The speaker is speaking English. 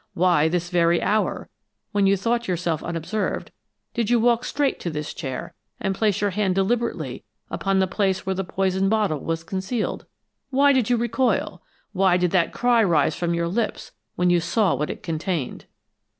Why, this very hour, when you thought yourself unobserved, did you walk straight to this chair and place your hand deliberately upon the place where the poison bottle was concealed? Why did you recoil? Why did that cry rise from your lips when you saw what it contained?"